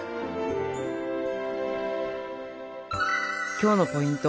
今日のポイント。